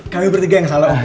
kami bertiga yang salah